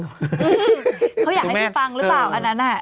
เขาอยากให้พี่ฟังหรือเปล่าอันนั้นน่ะ